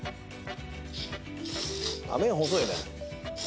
麺細いね。